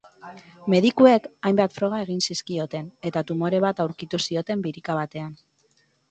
Medikuek hainbat froga egin zizkioten, eta tumore bat aurkitu zioten birika batean.